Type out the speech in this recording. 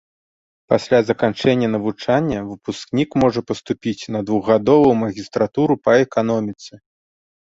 Пасля заканчэння навучання выпускнік можа паступіць на двухгадовую магістратуру па эканоміцы.